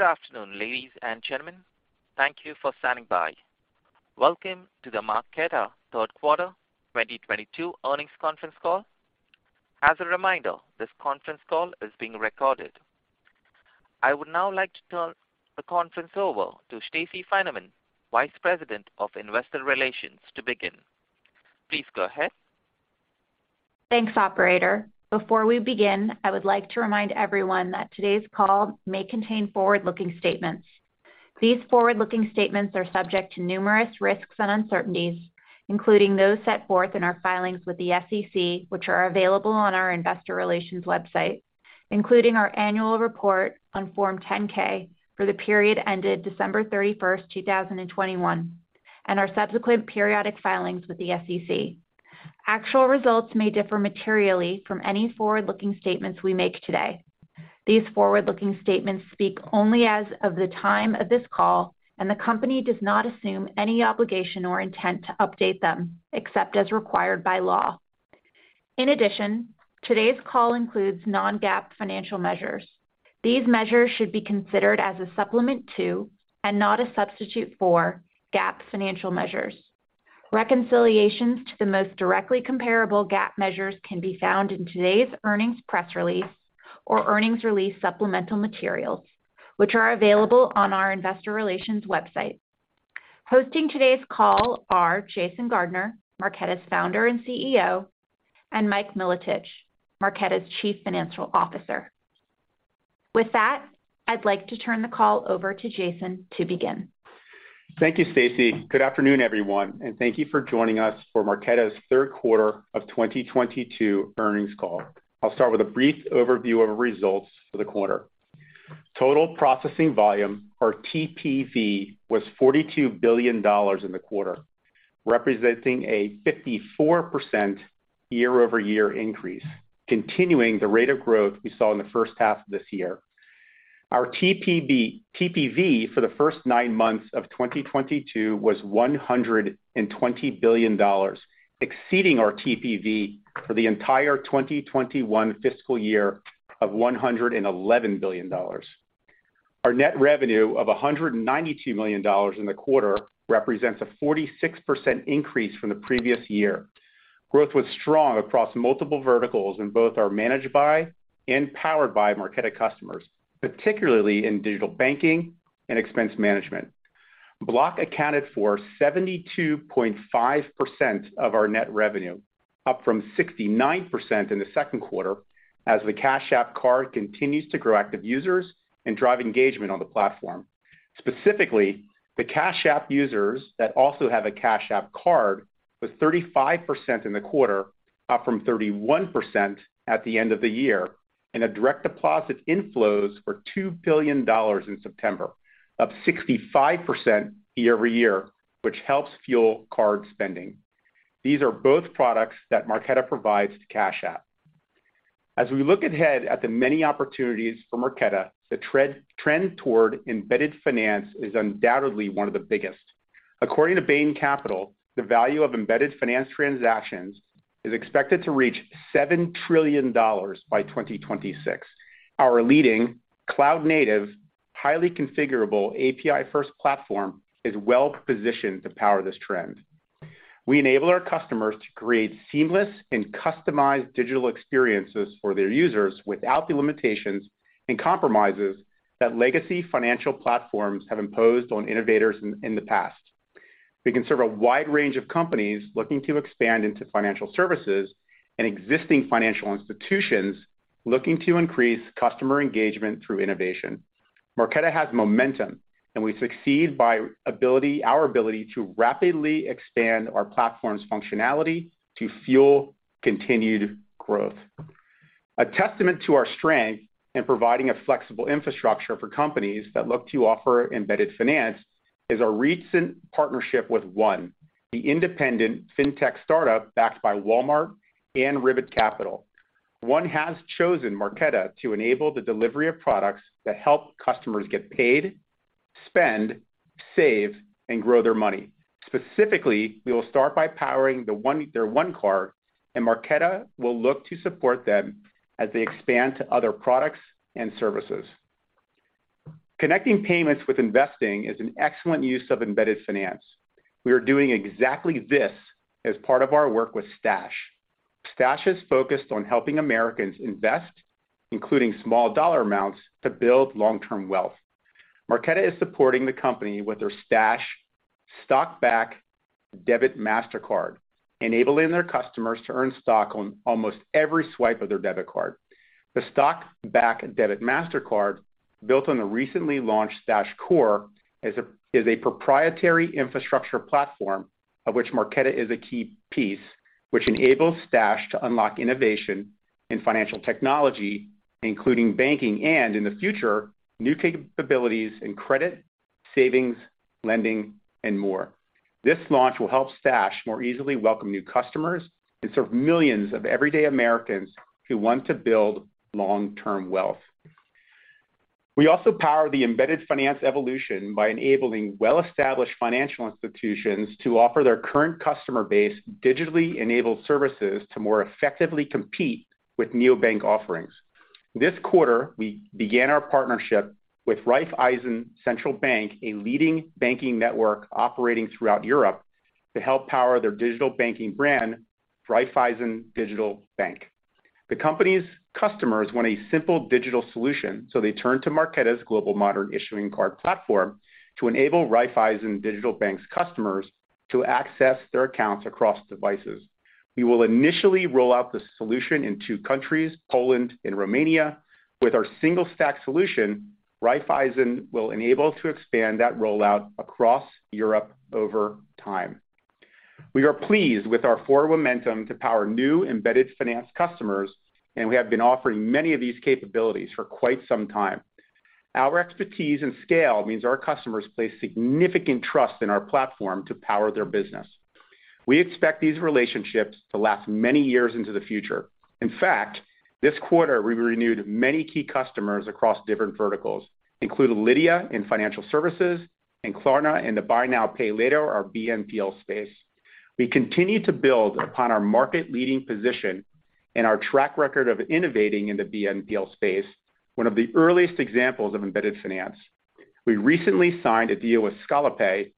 Good afternoon, ladies and gentlemen. Thank you for standing by. Welcome to the Marqeta Third Quarter 2022 Earnings Conference Call. As a reminder, this conference call is being recorded. I would now like to turn the conference over to Stacey Finerman, Vice President of Investor Relations, to begin. Please go ahead. Thanks, operator. Before we begin, I would like to remind everyone that today's call may contain forward-looking statements. These forward-looking statements are subject to numerous risks and uncertainties, including those set forth in our filings with the SEC, which are available on our investor relations website, including our annual report on Form 10-K for the period ended December 31, 2021, and our subsequent periodic filings with the SEC. Actual results may differ materially from any forward-looking statements we make today. These forward-looking statements speak only as of the time of this call, and the company does not assume any obligation or intent to update them, except as required by law. In addition, today's call includes non-GAAP financial measures. These measures should be considered as a supplement to, and not a substitute for, GAAP financial measures. Reconciliations to the most directly comparable GAAP measures can be found in today's earnings press release or earnings release supplemental materials, which are available on our investor relations website. Hosting today's call are Jason Gardner, Marqeta's Founder and CEO, and Mike Milotich, Marqeta's Chief Financial Officer. With that, I'd like to turn the call over to Jason to begin. Thank you, Stacey. Good afternoon, everyone, and thank you for joining us for Marqeta's third quarter of 2022 earnings call. I'll start with a brief overview of our results for the quarter. Total processing volume, or TPV, was $42 billion in the quarter, representing a 54% year-over-year increase, continuing the rate of growth we saw in the first half of this year. Our TPV for the first nine months of 2022 was $120 billion, exceeding our TPV for the entire 2021 fiscal year of $111 billion. Our net revenue of $192 million in the quarter represents a 46% increase from the previous year. Growth was strong across multiple verticals in both our Managed by Marqeta and Powered by Marqeta customers, particularly in digital banking and expense management. Block accounted for 72.5% of our net revenue, up from 69% in the second quarter as the Cash App card continues to grow active users and drive engagement on the platform. Specifically, the Cash App users that also have a Cash App card was 35% in the quarter, up from 31% at the end of the year, and a direct deposit inflows were $2 billion in September, up 65% year-over-year, which helps fuel card spending. These are both products that Marqeta provides to Cash App. As we look ahead at the many opportunities for Marqeta, the trend toward embedded finance is undoubtedly one of the biggest. According to Bain & Company, the value of embedded finance transactions is expected to reach $7 trillion by 2026. Our leading cloud-native, highly configurable API-first platform is well-positioned to power this trend. We enable our customers to create seamless and customized digital experiences for their users without the limitations and compromises that legacy financial platforms have imposed on innovators in the past. We can serve a wide range of companies looking to expand into financial services and existing financial institutions looking to increase customer engagement through innovation. Marqeta has momentum, and we succeed by our ability to rapidly expand our platform's functionality to fuel continued growth. A testament to our strength in providing a flexible infrastructure for companies that look to offer embedded finance is our recent partnership with One, the independent fintech startup backed by Walmart and Ribbit Capital. One has chosen Marqeta to enable the delivery of products that help customers get paid, spend, save, and grow their money. Specifically, we will start by powering the One, their One card, and Marqeta will look to support them as they expand to other products and services. Connecting payments with investing is an excellent use of embedded finance. We are doing exactly this as part of our work with Stash. Stash is focused on helping Americans invest, including small dollar amounts, to build long-term wealth. Marqeta is supporting the company with their Stash Stock-Back Debit Mastercard, enabling their customers to earn stock on almost every swipe of their debit card. The Stock-Back Debit Mastercard, built on the recently launched Stash Core, is a proprietary infrastructure platform of which Marqeta is a key piece, which enables Stash to unlock innovation in financial technology, including banking and, in the future, new capabilities in credit, savings, lending, and more. This launch will help Stash more easily welcome new customers and serve millions of everyday Americans who want to build long-term wealth. We also power the embedded finance evolution by enabling well-established financial institutions to offer their current customer base digitally enabled services to more effectively compete with neobank offerings. This quarter, we began our partnership with Raiffeisen Central Bank, a leading banking network operating throughout Europe, to help power their digital banking brand, Raiffeisen Digital Bank. The company's customers want a simple digital solution, so they turn to Marqeta's global modern issuing card platform to enable Raiffeisen Digital Bank's customers to access their accounts across devices. We will initially roll out the solution in two countries, Poland and Romania. With our single stack solution, Raiffeisen will enable to expand that rollout across Europe over time. We are pleased with our forward momentum to power new embedded finance customers, and we have been offering many of these capabilities for quite some time. Our expertise and scale means our customers place significant trust in our platform to power their business. We expect these relationships to last many years into the future. In fact, this quarter, we renewed many key customers across different verticals, including Lydia in financial services and Klarna in the buy now, pay later or BNPL space. We continue to build upon our market-leading position and our track record of innovating in the BNPL space, one of the earliest examples of embedded finance. We recently signed a deal with Scalapay,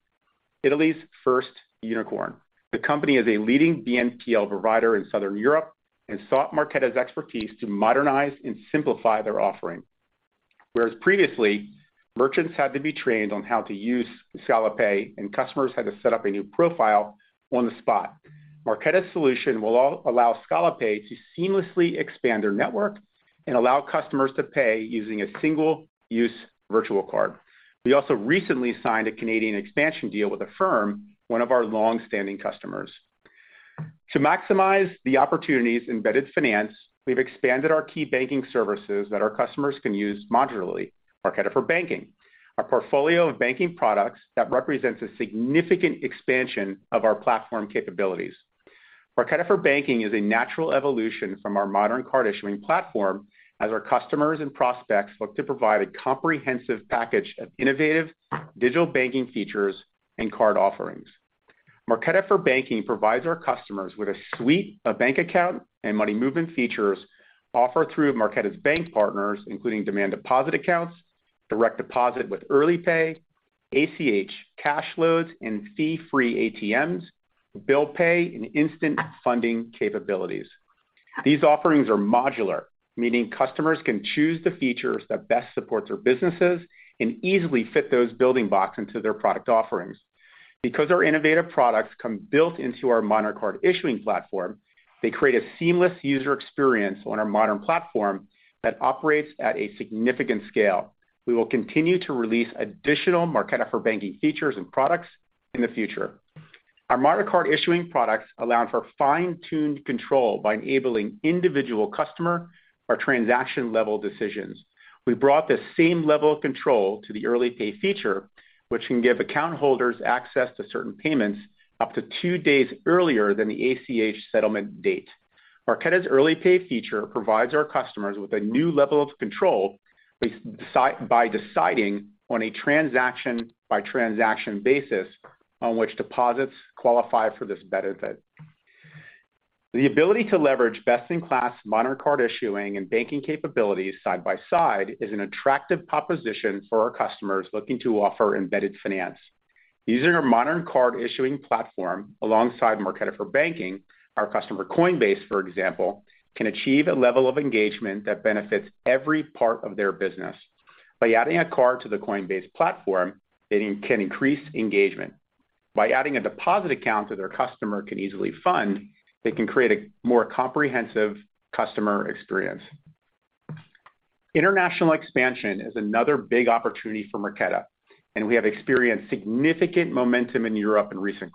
Italy's first unicorn. The company is a leading BNPL provider in Southern Europe and sought Marqeta's expertise to modernize and simplify their offering. Whereas previously, merchants had to be trained on how to use Scalapay and customers had to set up a new profile on the spot. Marqeta's solution will allow Scalapay to seamlessly expand their network and allow customers to pay using a single-use virtual card. We also recently signed a Canadian expansion deal with Affirm, one of our long-standing customers. To maximize the opportunities in embedded finance, we've expanded our key banking services that our customers can use modularly, Marqeta for Banking, our portfolio of banking products that represents a significant expansion of our platform capabilities. Marqeta for Banking is a natural evolution from our modern card issuing platform as our customers and prospects look to provide a comprehensive package of innovative digital banking features and card offerings. Marqeta for Banking provides our customers with a suite of bank account and money movement features offered through Marqeta's bank partners, including demand deposit accounts, direct deposit with Early Pay, ACH cash loads and fee-free ATMs, bill pay and instant funding capabilities. These offerings are modular, meaning customers can choose the features that best support their businesses and easily fit those building blocks into their product offerings. Because our innovative products come built into our modern card issuing platform, they create a seamless user experience on our modern platform that operates at a significant scale. We will continue to release additional Marqeta for Banking features and products in the future. Our modern card issuing products allow for fine-tuned control by enabling individual customer or transaction-level decisions. We brought the same level of control to the Early Pay feature, which can give account holders access to certain payments up to two days earlier than the ACH settlement date. Marqeta's Early Pay feature provides our customers with a new level of control by deciding on a transaction-by-transaction basis on which deposits qualify for this benefit. The ability to leverage best-in-class modern card issuing and banking capabilities side by side is an attractive proposition for our customers looking to offer embedded finance. Using our modern card issuing platform alongside Marqeta for Banking, our customer, Coinbase, for example, can achieve a level of engagement that benefits every part of their business. By adding a card to the Coinbase platform, they can increase engagement. By adding a deposit account that their customer can easily fund, they can create a more comprehensive customer experience. International expansion is another big opportunity for Marqeta, and we have experienced significant momentum in Europe in recent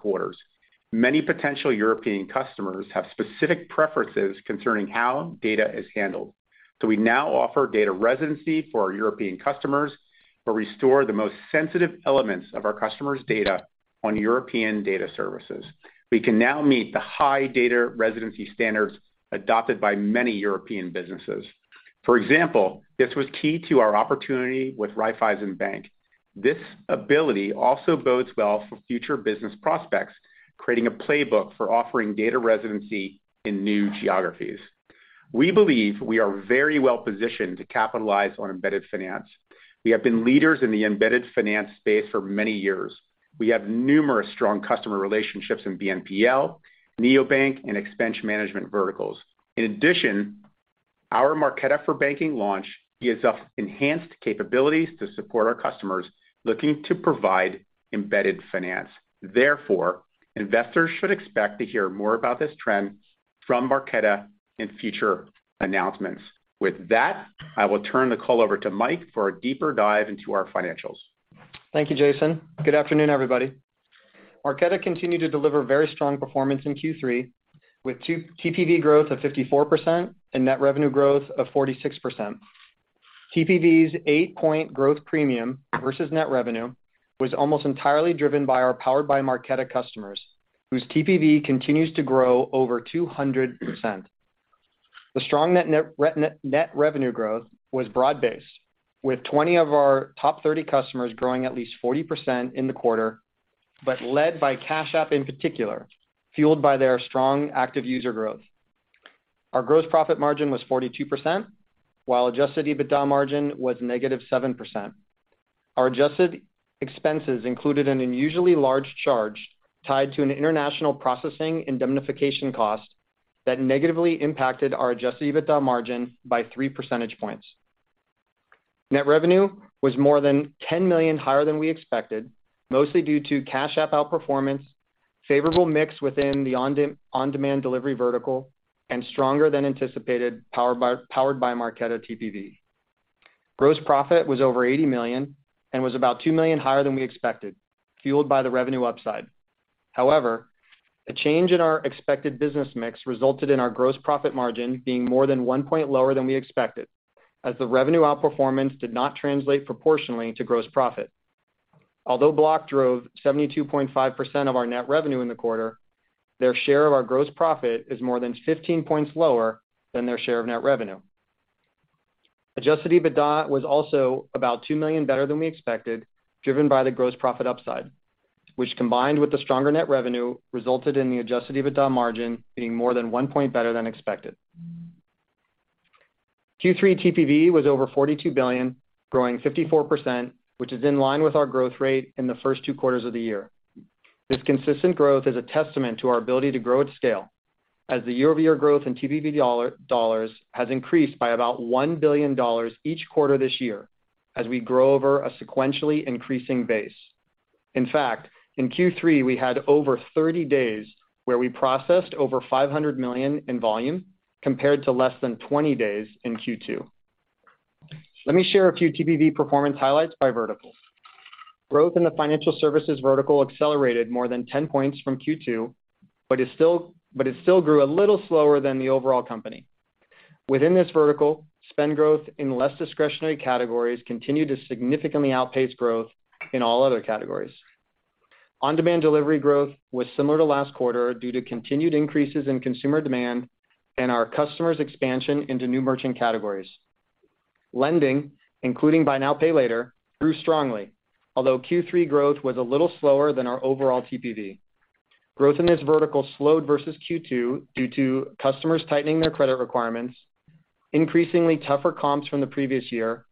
quarters. Many potential European customers have specific preferences concerning how data is handled. We now offer data residency for our European customers, where we store the most sensitive elements of our customers' data on European data services. We can now meet the high data residency standards adopted by many European businesses. For example, this was key to our opportunity with Raiffeisen Bank. This ability also bodes well for future business prospects, creating a playbook for offering data residency in new geographies. We believe we are very well-positioned to capitalize on embedded finance. We have been leaders in the embedded finance space for many years. We have numerous strong customer relationships in BNPL, neobank, and expense management verticals. In addition, our Marqeta for Banking launch gives us enhanced capabilities to support our customers looking to provide embedded finance. Therefore, investors should expect to hear more about this trend from Marqeta in future announcements. With that, I will turn the call over to Mike for a deeper dive into our financials. Thank you, Jason. Good afternoon, everybody. Marqeta continued to deliver very strong performance in Q3 with TPV growth of 54% and net revenue growth of 46%. TPV's eight-point growth premium versus net revenue was almost entirely driven by our Powered by Marqeta customers, whose TPV continues to grow over 200%. The strong net revenue growth was broad-based, with 20 of our top 30 customers growing at least 40% in the quarter. Led by Cash App in particular, fueled by their strong active user growth. Our gross profit margin was 42%, while Adjusted EBITDA margin was -7%. Our adjusted expenses included an unusually large charge tied to an international processing indemnification cost that negatively impacted our Adjusted EBITDA margin by three percentage points. Net revenue was more than $10 million higher than we expected, mostly due to Cash App outperformance, favorable mix within the on-demand delivery vertical, and stronger than anticipated Powered by Marqeta TPV. Gross profit was over $80 million and was about $2 million higher than we expected, fueled by the revenue upside. However, a change in our expected business mix resulted in our gross profit margin being more than one point lower than we expected, as the revenue outperformance did not translate proportionally to gross profit. Although Block drove 72.5% of our net revenue in the quarter, their share of our gross profit is more than 15 points lower than their share of net revenue. Adjusted EBITDA was also about $2 million better than we expected, driven by the gross profit upside, which combined with the stronger net revenue, resulted in the Adjusted EBITDA margin being more than one point better than expected. Q3 TPV was over $42 billion, growing 54%, which is in line with our growth rate in the first two quarters of the year. This consistent growth is a testament to our ability to grow at scale, as the year-over-year growth in TPV dollars has increased by about $1 billion each quarter this year, as we grow over a sequentially increasing base. In fact, in Q3, we had over 30 days where we processed over $500 million in volume compared to less than 20 days in Q2. Let me share a few TPV performance highlights by vertical. Growth in the financial services vertical accelerated more than 10 points from Q2, but it still grew a little slower than the overall company. Within this vertical, spend growth in less discretionary categories continued to significantly outpace growth in all other categories. On-demand delivery growth was similar to last quarter due to continued increases in consumer demand and our customers' expansion into new merchant categories. Lending, including buy now, pay later, grew strongly, although Q3 growth was a little slower than our overall TPV. Growth in this vertical slowed versus Q2 due to customers tightening their credit requirements, increasingly tougher comps from the previous year,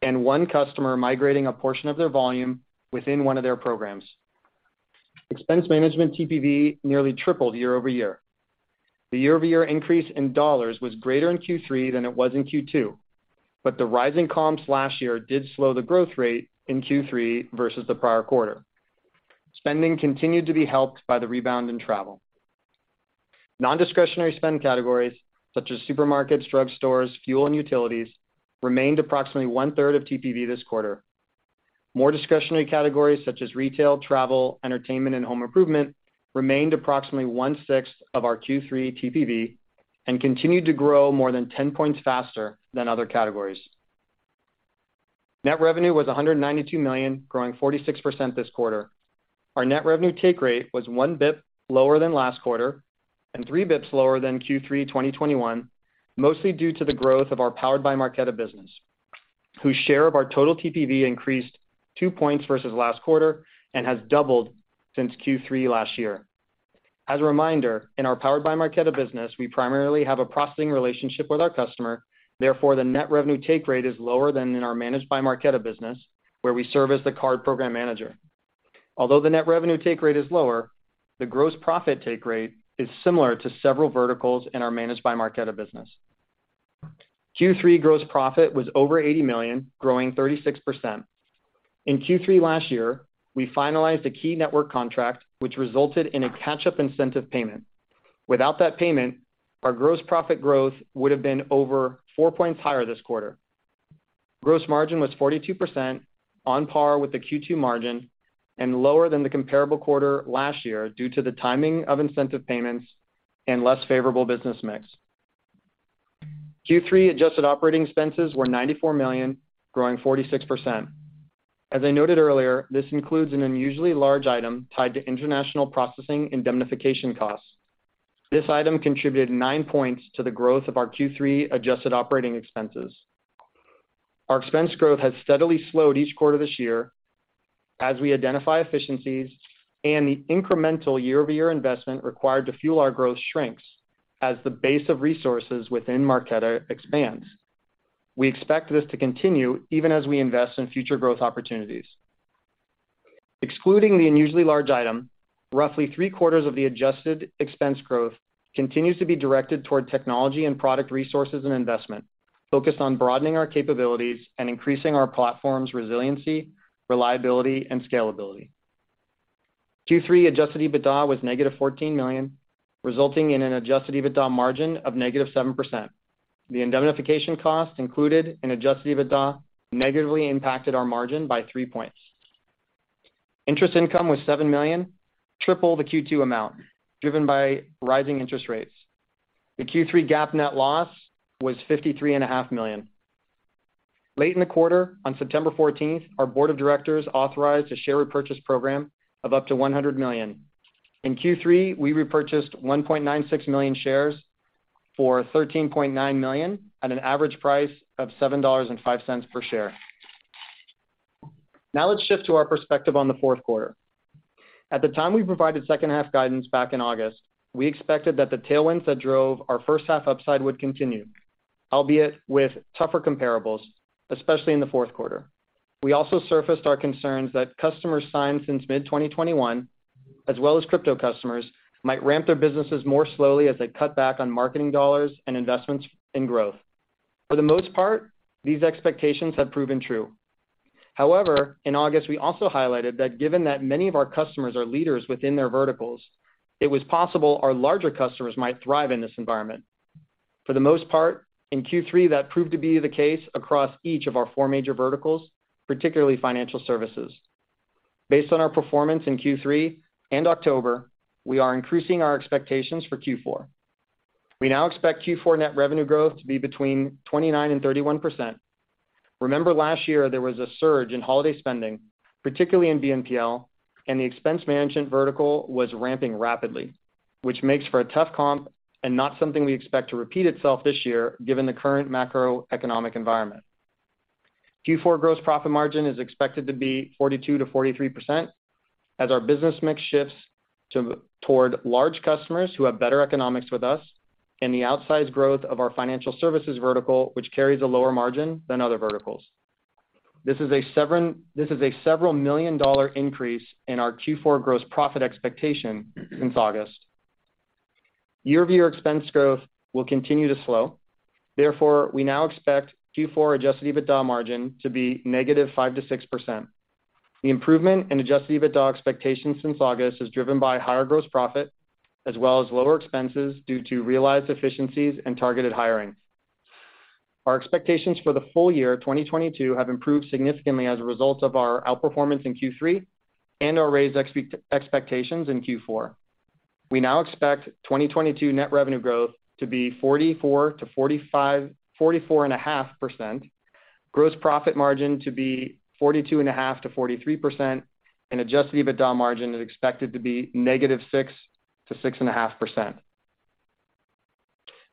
and one customer migrating a portion of their volume within one of their programs. Expense management TPV nearly tripled year-over-year. The year-over-year increase in dollars was greater in Q3 than it was in Q2, but the rising comps last year did slow the growth rate in Q3 versus the prior quarter. Spending continued to be helped by the rebound in travel. Non-discretionary spend categories such as supermarkets, drugstores, fuel, and utilities remained approximately one-third of TPV this quarter. More discretionary categories such as retail, travel, entertainment, and home improvement remained approximately one-sixth of our Q3 TPV and continued to grow more than 10 points faster than other categories. Net revenue was $192 million, growing 46% this quarter. Our net revenue take rate was one basis point lower than last quarter and three basis points lower than Q3 2021, mostly due to the growth of our Powered by Marqeta business, whose share of our total TPV increased two points versus last quarter and has doubled since Q3 last year. As a reminder, in our Powered by Marqeta business, we primarily have a processing relationship with our customer. Therefore, the net revenue take rate is lower than in our Managed by Marqeta business, where we serve as the card program manager. Although the net revenue take rate is lower, the gross profit take rate is similar to several verticals in our Managed by Marqeta business. Q3 gross profit was over $80 million, growing 36%. In Q3 last year, we finalized a key network contract, which resulted in a catch-up incentive payment. Without that payment, our gross profit growth would have been over four points higher this quarter. Gross margin was 42%, on par with the Q2 margin, and lower than the comparable quarter last year due to the timing of incentive payments and less favorable business mix. Q3 adjusted operating expenses were $94 million, growing 46%. As I noted earlier, this includes an unusually large item tied to international processing indemnification costs. This item contributed nine points to the growth of our Q3 adjusted operating expenses. Our expense growth has steadily slowed each quarter this year as we identify efficiencies and the incremental year-over-year investment required to fuel our growth shrinks as the base of resources within Marqeta expands. We expect this to continue even as we invest in future growth opportunities. Excluding the unusually large item, roughly three-quarters of the adjusted expense growth continues to be directed toward technology and product resources and investment, focused on broadening our capabilities and increasing our platform's resiliency, reliability, and scalability. Q3 Adjusted EBITDA was -$14 million, resulting in an Adjusted EBITDA margin of -7%. The indemnification cost included in Adjusted EBITDA negatively impacted our margin by three points. Interest income was $7 million, triple the Q2 amount, driven by rising interest rates. The Q3 GAAP net loss was $53.5 million. Late in the quarter, on September 14th, our board of directors authorized a share repurchase program of up to $100 million. In Q3, we repurchased 1.96 million shares for $13.9 million at an average price of $7.05 per share. Now let's shift to our perspective on the fourth quarter. At the time we provided second half guidance back in August, we expected that the tailwinds that drove our first half upside would continue, albeit with tougher comparables, especially in the fourth quarter. We also surfaced our concerns that customers signed since mid-2021, as well as crypto customers, might ramp their businesses more slowly as they cut back on marketing dollars and investments in growth. For the most part, these expectations have proven true. However, in August, we also highlighted that given that many of our customers are leaders within their verticals, it was possible our larger customers might thrive in this environment. For the most part, in Q3 that proved to be the case across each of our four major verticals, particularly financial services. Based on our performance in Q3 and October, we are increasing our expectations for Q4. We now expect Q4 net revenue growth to be between 29% and 31%. Remember, last year, there was a surge in holiday spending, particularly in BNPL, and the expense management vertical was ramping rapidly, which makes for a tough comp and not something we expect to repeat itself this year given the current macroeconomic environment. Q4 gross profit margin is expected to be 42%-43% as our business mix shifts toward large customers who have better economics with us and the outsized growth of our financial services vertical, which carries a lower margin than other verticals. This is a several million dollar increase in our Q4 gross profit expectation since August. Year-over-year expense growth will continue to slow. Therefore, we now expect Q4 Adjusted EBITDA margin to be negative 5%-6%. The improvement in Adjusted EBITDA expectations since August is driven by higher gross profit as well as lower expenses due to realized efficiencies and targeted hiring. Our expectations for the full year 2022 have improved significantly as a result of our outperformance in Q3 and our raised expectations in Q4. We now expect 2022 net revenue growth to be 44-45, 44.5%, gross profit margin to be 42.5%-43%, and Adjusted EBITDA margin is expected to be -6% to -6.5%.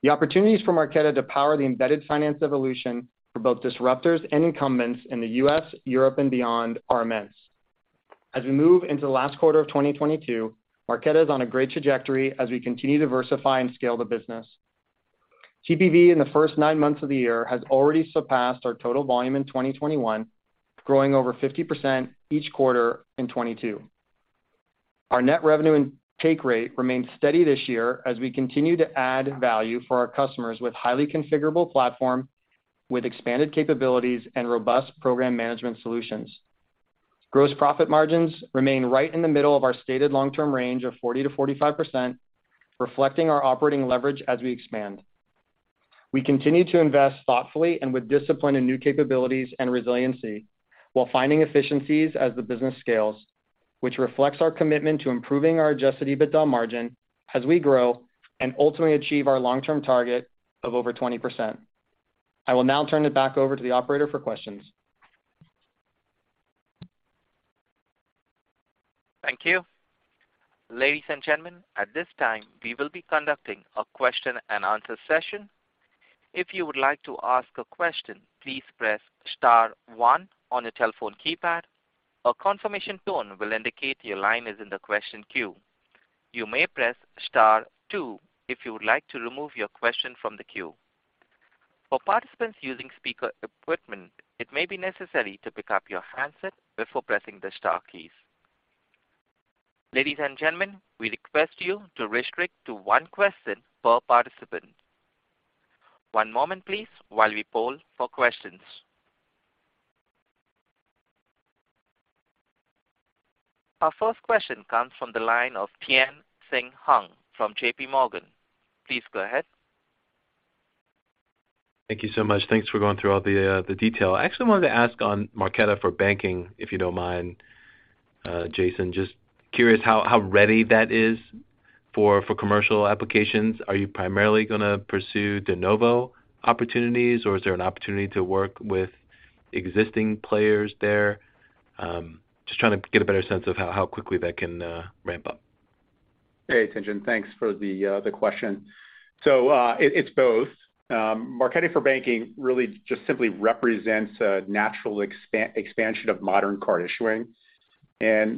The opportunities for Marqeta to power the embedded finance evolution for both disruptors and incumbents in the U.S., Europe, and beyond are immense. As we move into the last quarter of 2022, Marqeta is on a great trajectory as we continue to diversify and scale the business. TPV in the first nine months of the year has already surpassed our total volume in 2021, growing over 50% each quarter in 2022. Our net revenue take rate remains steady this year as we continue to add value for our customers with highly configurable platform, with expanded capabilities and robust program management solutions. Gross profit margins remain right in the middle of our stated long-term range of 40%-45%, reflecting our operating leverage as we expand. We continue to invest thoughtfully and with discipline in new capabilities and resiliency while finding efficiencies as the business scales, which reflects our commitment to improving our Adjusted EBITDA margin as we grow and ultimately achieve our long-term target of over 20%. I will now turn it back over to the operator for questions. Thank you. Ladies and gentlemen, at this time, we will be conducting a question and answer session. If you would like to ask a question, please press star one on your telephone keypad. A confirmation tone will indicate your line is in the question queue. You may press star two if you would like to remove your question from the queue. For participants using speaker equipment, it may be necessary to pick up your handset before pressing the star keys. Ladies and gentlemen, we request you to restrict to one question per participant. One moment, please, while we poll for questions. Our first question comes from the line of Tien-Tsin Huang from J.P. Morgan. Please go ahead. Thank you so much. Thanks for going through all the detail. I actually wanted to ask on Marqeta for Banking, if you don't mind, Jason. Just curious how ready that is for commercial applications. Are you primarily gonna pursue de novo opportunities, or is there an opportunity to work with existing players there? Just trying to get a better sense of how quickly that can ramp up. Hey, Tien-Tsin Huang. Thanks for the question. It's both. Marqeta for Banking really just simply represents a natural expansion of modern card issuing.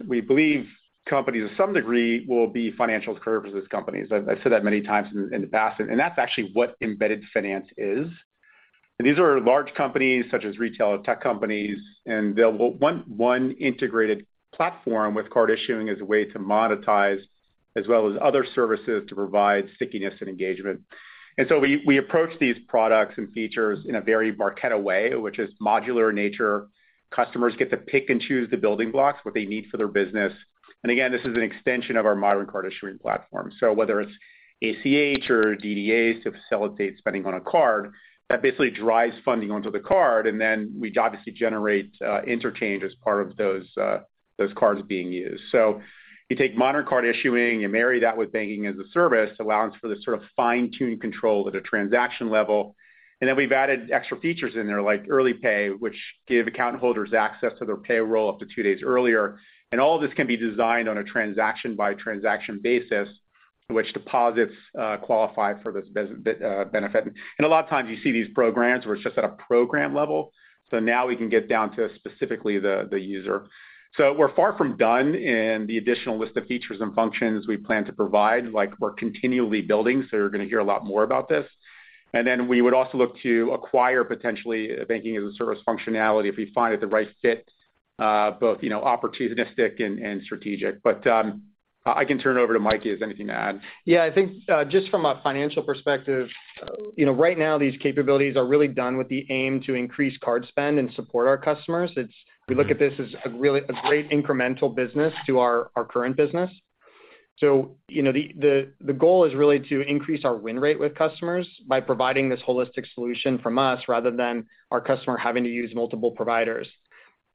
We believe companies to some degree will be financial service companies. I've said that many times in the past, and that's actually what embedded finance is. These are large companies such as retail or tech companies, and they'll want one integrated platform with card issuing as a way to monetize, as well as other services to provide stickiness and engagement. We approach these products and features in a very Marqeta way, which is modular in nature. Customers get to pick and choose the building blocks, what they need for their business. Again, this is an extension of our modern card issuing platform. Whether it's ACH or DDA to facilitate spending on a card, that basically drives funding onto the card, and then we obviously generate interchange as part of those cards being used. You take modern card issuing, you marry that with banking as a service, allowing for this sort of fine-tuned control at a transaction level. We've added extra features in there, like Early Pay, which give account holders access to their payroll up to two days earlier. All this can be designed on a transaction-by-transaction basis. Which deposits qualify for this benefit? A lot of times you see these programs where it's just at a program level, so now we can get down to specifically the user. We're far from done in the additional list of features and functions we plan to provide. Like, we're continually building, so you're gonna hear a lot more about this. Then we would also look to acquire potentially a banking-as-a-service functionality if we find it the right fit, both, you know, opportunistic and strategic. I can turn it over to Mike. Has anything to add? Yeah. I think, just from a financial perspective, you know, right now these capabilities are really done with the aim to increase card spend and support our customers. We look at this as a great incremental business to our current business. The goal is really to increase our win rate with customers by providing this holistic solution from us rather than our customer having to use multiple providers.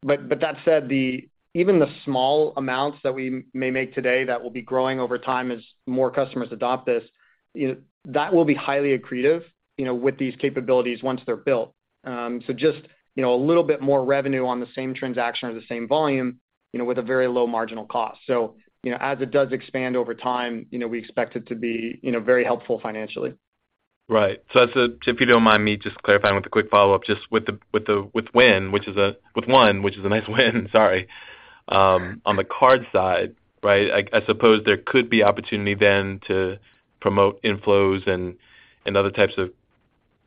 That said, even the small amounts that we may make today that will be growing over time as more customers adopt this, you know, that will be highly accretive, you know, with these capabilities once they're built. Just, you know, a little bit more revenue on the same transaction or the same volume, you know, with a very low marginal cost. As it does expand over time, you know, we expect it to be very helpful financially. Right. If you don't mind me just clarifying with a quick follow-up, just with One, which is a nice win, sorry. On the card side, right, I suppose there could be opportunity then to promote inflows and other types of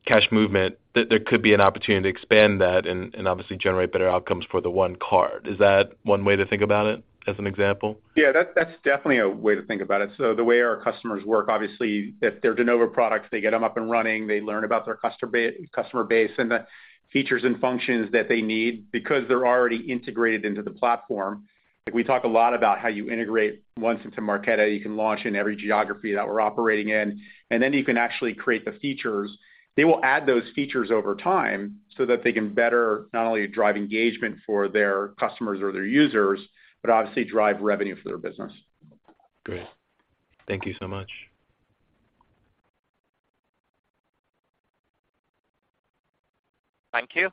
cash movement, that there could be an opportunity to expand that and obviously generate better outcomes for the One card. Is that one way to think about it as an example? Yeah. That's definitely a way to think about it. The way our customers work, obviously if they're de novo products, they get them up and running, they learn about their customer base and the features and functions that they need because they're already integrated into the platform. Like, we talk a lot about how you integrate once into Marqeta. You can launch in every geography that we're operating in, and then you can actually create the features. They will add those features over time so that they can better not only drive engagement for their customers or their users, but obviously drive revenue for their business. Great. Thank you so much. Thank you.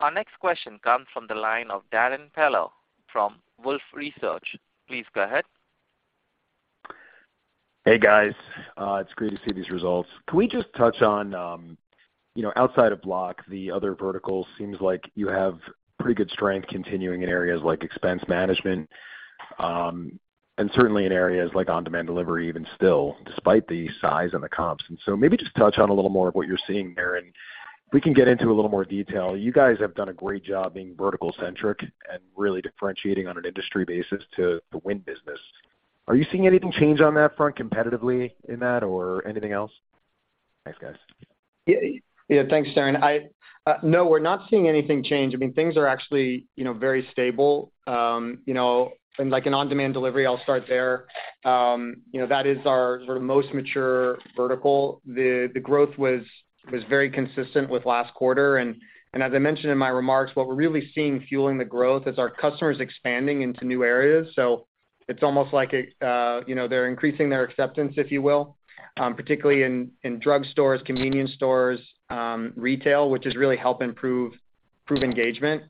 Our next question comes from the line of Darrin Peller from Wolfe Research. Please go ahead. Hey, guys. It's great to see these results. Can we just touch on you know, outside of Block, the other verticals seems like you have pretty good strength continuing in areas like expense management, and certainly in areas like on-demand delivery even still, despite the size and the comps. Maybe just touch on a little more of what you're seeing there. If we can get into a little more detail, you guys have done a great job being vertical-centric and really differentiating on an industry basis to win business. Are you seeing anything change on that front competitively in that or anything else? Thanks, guys. Yeah. Yeah, thanks, Darrin. No, we're not seeing anything change. I mean, things are actually, you know, very stable. You know, like in on-demand delivery, I'll start there. You know, that is our sort of most mature vertical. The growth was very consistent with last quarter. As I mentioned in my remarks, what we're really seeing fueling the growth is our customers expanding into new areas. It's almost like a, you know, they're increasing their acceptance, if you will, particularly in drugstores, convenience stores, retail, which has really helped improve engagement.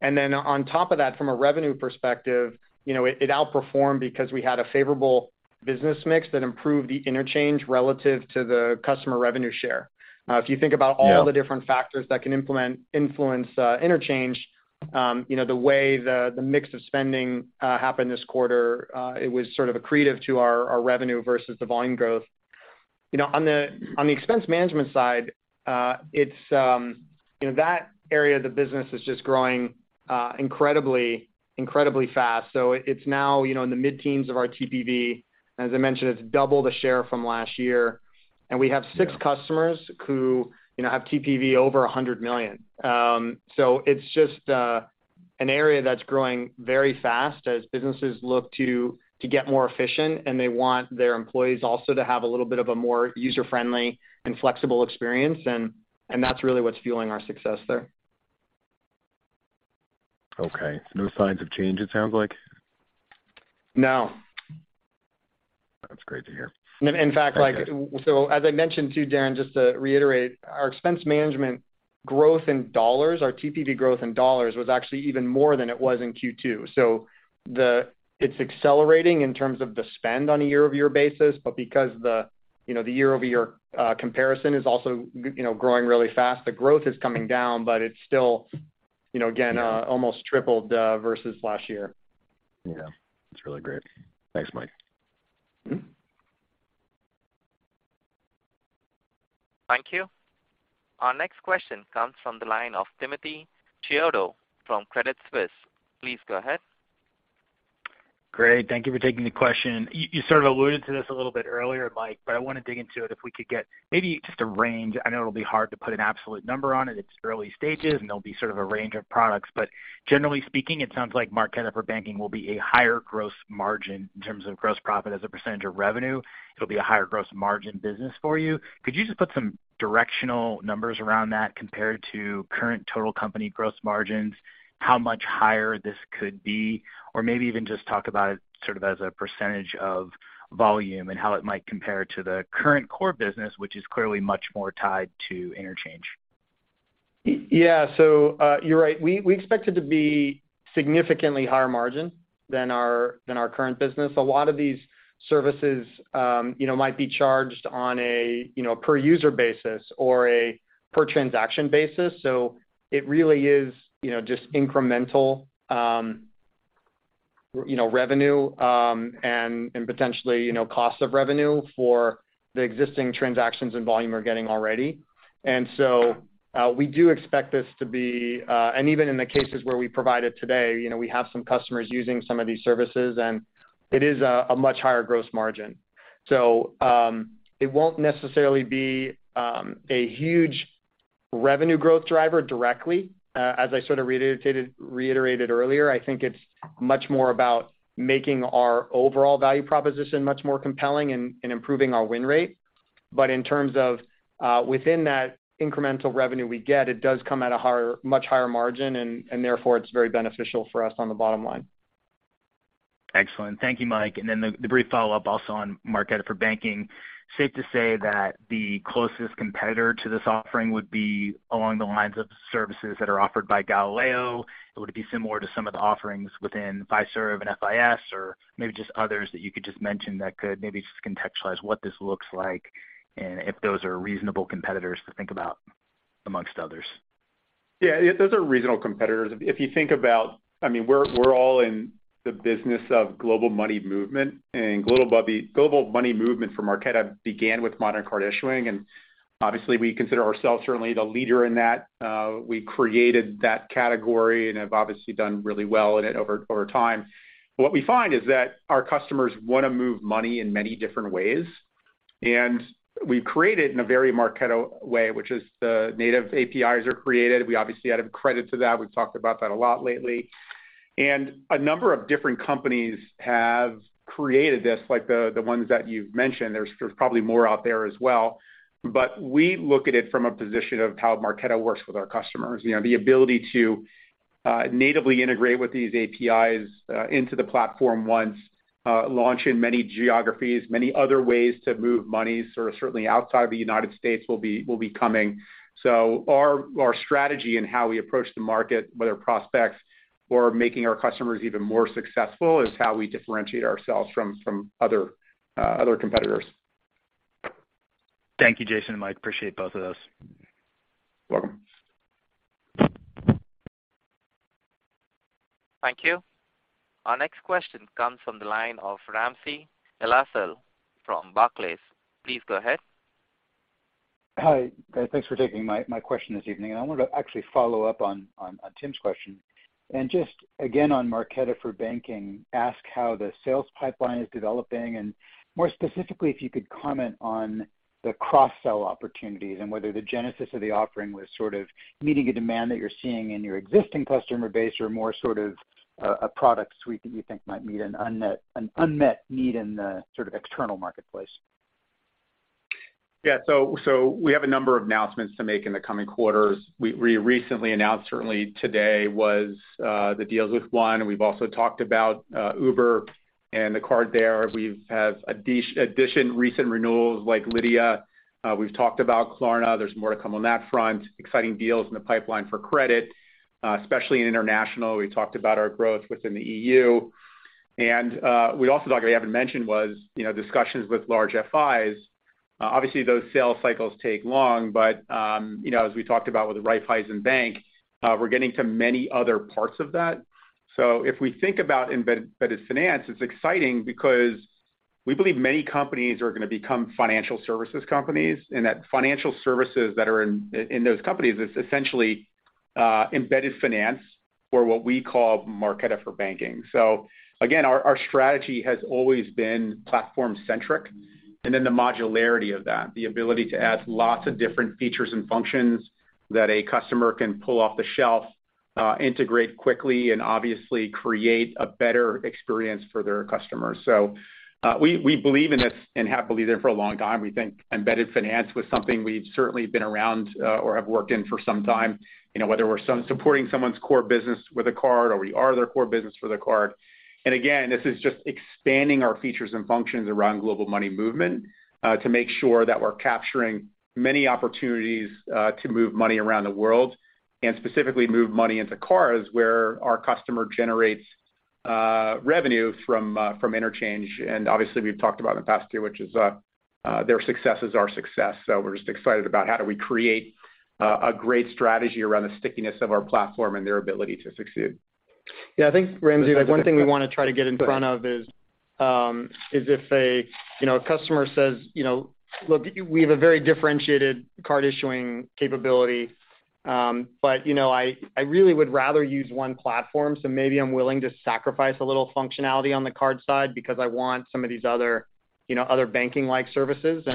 Then on top of that, from a revenue perspective, you know, it outperformed because we had a favorable business mix that improved the interchange relative to the customer revenue share. If you think about. Yeah All the different factors that can influence interchange, you know, the way the mix of spending happened this quarter, it was sort of accretive to our revenue versus the volume growth. You know, on the expense management side, it's, you know, that area of the business is just growing incredibly fast. It's now, you know, in the mid-teens of our TPV. As I mentioned, it's double the share from last year. Yeah. We have six customers who, you know, have TPV over 100 million. So it's just an area that's growing very fast as businesses look to get more efficient, and they want their employees also to have a little bit of a more user-friendly and flexible experience, and that's really what's fueling our success there. Okay. No signs of change it sounds like? No. That's great to hear. In fact, like. Okay. As I mentioned too, Darrin, just to reiterate, our expense management growth in dollars, our TPV growth in dollars was actually even more than it was in Q2. It's accelerating in terms of the spend on a year-over-year basis. But because the, you know, the year-over-year comparison is also, you know, growing really fast, the growth is coming down, but it's still, you know, again. Yeah Almost tripled versus last year. Yeah. That's really great. Thanks, Mike. Thank you. Our next question comes from the line of Timothy Chiodo from Credit Suisse. Please go ahead. Great. Thank you for taking the question. You sort of alluded to this a little bit earlier, Mike, but I wanna dig into it, if we could get maybe just a range. I know it'll be hard to put an absolute number on it. It's early stages, and there'll be sort of a range of products. But generally speaking, it sounds like Marqeta for Banking will be a higher gross margin in terms of gross profit as a percentage of revenue. It'll be a higher gross margin business for you. Could you just put some directional numbers around that compared to current total company gross margins, how much higher this could be? Or maybe even just talk about it sort of as a percentage of volume and how it might compare to the current core business, which is clearly much more tied to interchange. Yeah. You're right. We expect it to be significantly higher margin than our current business. A lot of these services, you know, might be charged on a, you know, per user basis or a per transaction basis. It really is, you know, just incremental, you know, revenue, and potentially, you know, cost of revenue for the existing transactions and volume we're getting already. We do expect this to be and even in the cases where we provide it today, you know, we have some customers using some of these services, and it is a much higher gross margin. It won't necessarily be a huge revenue growth driver directly. As I sort of reiterated earlier, I think it's much more about making our overall value proposition much more compelling and improving our win rate. In terms of within that incremental revenue we get, it does come at a much higher margin and therefore, it's very beneficial for us on the bottom line. Excellent. Thank you, Mike. Then the brief follow-up also on Marqeta for Banking. Safe to say that the closest competitor to this offering would be along the lines of services that are offered by Galileo. Would it be similar to some of the offerings within Fiserv and FIS, or maybe just others that you could just mention that could maybe just contextualize what this looks like and if those are reasonable competitors to think about amongst others? Yeah. Those are reasonable competitors. If you think about, I mean, we're all in the business of global money movement. Global money movement for Marqeta began with modern card issuing, and obviously we consider ourselves certainly the leader in that. We created that category and have obviously done really well in it over time. What we find is that our customers wanna move money in many different ways. We've created, in a very Marqeta way, which is the native APIs are created. We obviously add credit to that. We've talked about that a lot lately. A number of different companies have created this, like the ones that you've mentioned. There's probably more out there as well. We look at it from a position of how Marqeta works with our customers. You know, the ability to natively integrate with these APIs into the platform, once launched in many geographies, many other ways to move money, sort of certainly outside the United States, will be coming. Our strategy and how we approach the market, with prospects or making our customers even more successful, is how we differentiate ourselves from other competitors. Thank you, Jason and Mike. Appreciate both of those. Welcome. Thank you. Our next question comes from the line of Ramsey El-Assal from Barclays. Please go ahead. Hi. Thanks for taking my question this evening. I wanted to actually follow up on Tim's question. Just again on Marqeta for Banking, ask how the sales pipeline is developing, and more specifically, if you could comment on the cross-sell opportunities and whether the genesis of the offering was sort of meeting a demand that you're seeing in your existing customer base or more sort of a product suite that you think might meet an unmet need in the sort of external marketplace. We have a number of announcements to make in the coming quarters. We recently announced, certainly today, the deals with One, and we've also talked about Uber and the card there. We have additional recent renewals like Lydia. We've talked about Klarna. There's more to come on that front. Exciting deals in the pipeline for credit, especially in international. We talked about our growth within the EU. We also talked, we haven't mentioned, you know, discussions with large FIs. Obviously, those sales cycles take long, but, you know, as we talked about with the Raiffeisen Bank, we're getting to many other parts of that. If we think about embedded finance, it's exciting because we believe many companies are gonna become financial services companies, and that financial services that are in those companies is essentially embedded finance or what we call Marqeta for Banking. Again, our strategy has always been platform centric and then the modularity of that, the ability to add lots of different features and functions that a customer can pull off the shelf, integrate quickly and obviously create a better experience for their customers. We believe in this and have believed it for a long time. We think embedded finance was something we've certainly been around or have worked in for some time. You know, whether we're supporting someone's core business with a card or we are their core business for the card. Again, this is just expanding our features and functions around global money movement to make sure that we're capturing many opportunities to move money around the world and specifically move money into cards where our customer generates revenue from interchange. Obviously, we've talked about in the past too, which is their success is our success. We're just excited about how do we create a great strategy around the stickiness of our platform and their ability to succeed. Yeah, I think Ramsey El-Assal, the one thing we wanna try to get in front of is if a, you know, a customer says, you know, "Look, we have a very differentiated card issuing capability, but you know, I really would rather use one platform, so maybe I'm willing to sacrifice a little functionality on the card side because I want some of these other, you know, other banking-like services."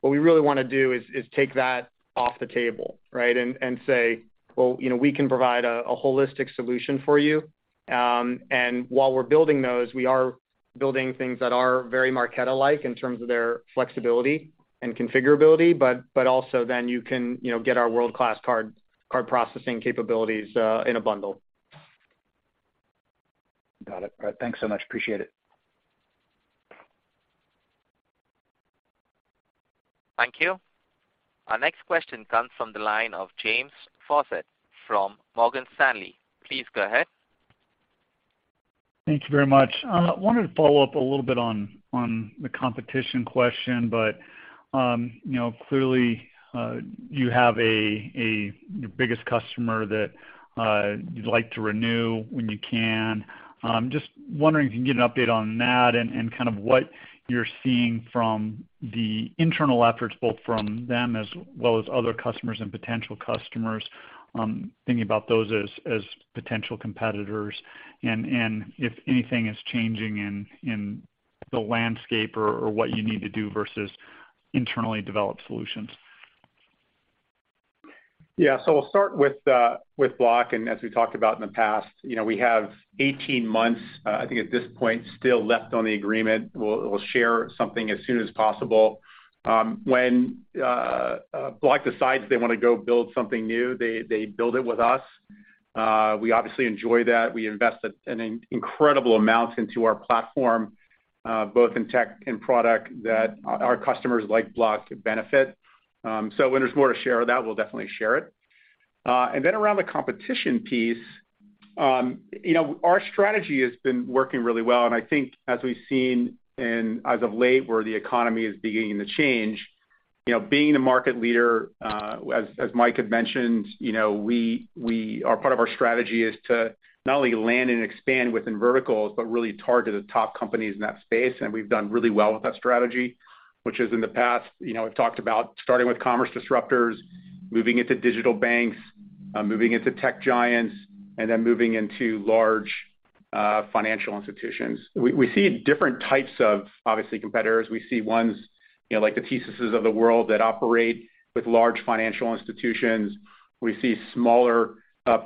What we really wanna do is take that off the table, right? And say, "Well, you know, we can provide a holistic solution for you. And while we're building those, we are building things that are very Marqeta-like in terms of their flexibility and configurability, but also then you can, you know, get our world-class card processing capabilities in a bundle. Got it. All right. Thanks so much. Appreciate it. Thank you. Our next question comes from the line of James Faucette from Morgan Stanley. Please go ahead. Thank you very much. I wanted to follow up a little bit on the competition question, but you know, clearly you have the biggest customer that you'd like to renew when you can. Just wondering if you can get an update on that and kind of what you're seeing from the internal efforts, both from them as well as other customers and potential customers thinking about those as potential competitors, and if anything is changing in the landscape or what you need to do versus internally developed solutions. Yeah. I'll start with Block, and as we talked about in the past, you know, we have 18 months, I think at this point still left on the agreement. We'll share something as soon as possible. When Block decides they wanna go build something new, they build it with us. We obviously enjoy that. We invest an incredible amount into our platform, both in tech and product that our customers like Block benefit. When there's more to share of that, we'll definitely share it. Around the competition piece, you know, our strategy has been working really well. I think as we've seen and as of late, where the economy is beginning to change, you know, being a market leader, as Mike had mentioned, you know, we. Our part of our strategy is to not only land and expand within verticals, but really target the top companies in that space, and we've done really well with that strategy, which is in the past. You know, we've talked about starting with commerce disruptors, moving into digital banks, moving into tech giants, and then moving into large financial institutions. We see different types of, obviously, competitors. We see ones, you know, like the TSYS of the world that operate with large financial institutions. We see smaller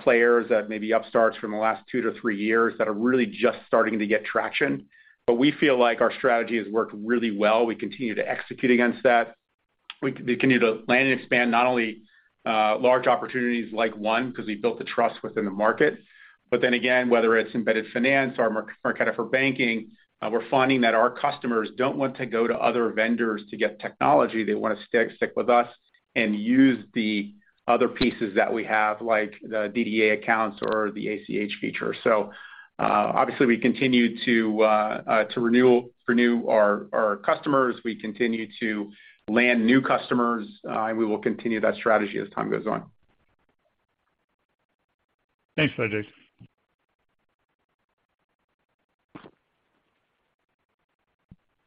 players that may be upstarts from the last two to three years that are really just starting to get traction. We feel like our strategy has worked really well. We continue to execute against that. We continue to land and expand not only large opportunities like One because we built the trust within the market. Whether it's embedded finance or Marqeta for Banking, we're finding that our customers don't want to go to other vendors to get technology. They wanna stick with us and use the other pieces that we have, like the DDA accounts or the ACH feature. Obviously, we continue to renew our customers. We continue to land new customers. We will continue that strategy as time goes on. Thanks, Jason.